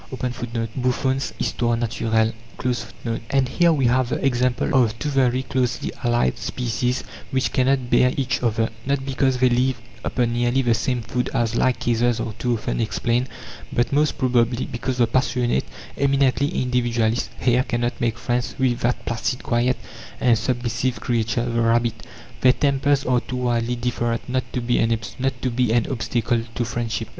(17) And here we have the example of two very closely allied species which cannot bear each other not because they live upon nearly the same food, as like cases are too often explained, but most probably because the passionate, eminently individualist hare cannot make friends with that placid, quiet, and submissive creature, the rabbit. Their tempers are too widely different not to be an obstacle to friendship.